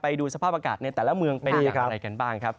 ไปดูสภาพอากาศในแต่ละเมืองเป็นอย่างไรกันบ้างครับ